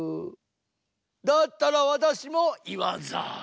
だったらわたしもいわざる。